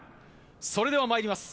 それではまいります。